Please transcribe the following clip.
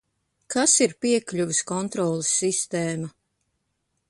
Kas ir piekļuves kontroles sistēma?